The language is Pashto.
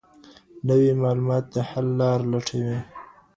نوي معلومات د حل لاري لټوي.